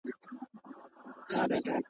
خو نیژدې نه سوای ورتللای څوک له ویري .